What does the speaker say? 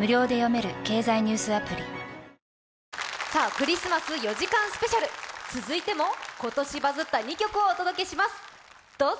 クリスマス４時間スペシャル続いても今年バズった２曲をお届けします、どうぞ。